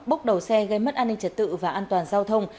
bốc đầu xe gây mất an ninh trật tự và an toàn giao thông